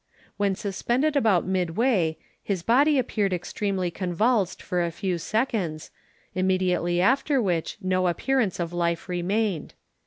When suspended about midway, his body appeared extremely convulsed for a few seconds, immediately after which no appearance of life remained.